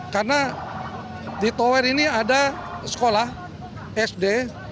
karena di towar ini ada sekolah sd